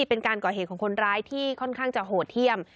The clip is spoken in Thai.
เป็นการก่อเหตุของคนร้ายที่ค่อนข้างจะโหดเยี่ยม